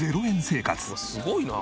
すごいなあ。